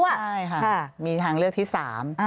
ใช่ค่ะมีทางเลือกที่สาม